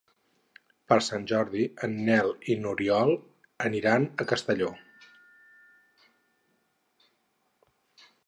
Per Sant Jordi en Nel i n'Oriol aniran a Castelló.